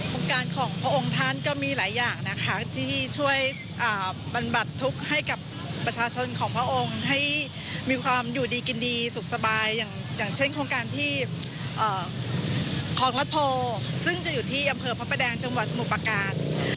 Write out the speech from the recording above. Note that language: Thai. โมงการของพระองค์ท่านก็มีหลายอย่างนะคะที่ช่วยปันบัติทุกข์ให้กับประชาชนของพระองค์ให้มีความอยู่ดีกินดีสุขสบายอย่างเช่นโครงการที่ศพทรประการ